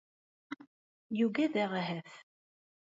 Yugad-aɣ ahat ?